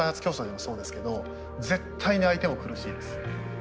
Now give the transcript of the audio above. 競争でもそうですけど絶対に相手も苦しいです。